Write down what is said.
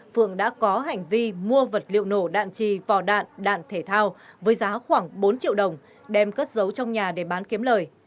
phượng đã có hành vi mua vật liệu nổ đạn trì vỏ đạn đạn thể thao với giá khoảng bốn triệu đồng đem cất giấu trong nhà để bán kiếm lời